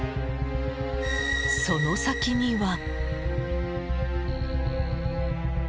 その先には。